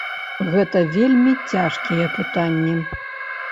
Гэта вельмі цяжкія пытанні.